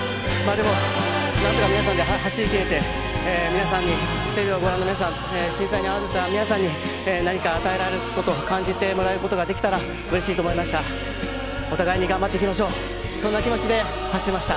でも、なんとか皆さんで走りきれて、皆さんに、テレビをご覧の皆さん、震災に遭われた皆さんに、何か与えられること、感じてもらえることできたら、うれしいと思いました。